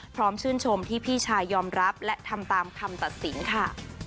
พร้อมชื่นชมที่พี่ชายยอมรับและทำตามคำตัดสินค่ะ